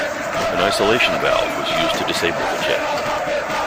An isolation valve was used to disable the jet.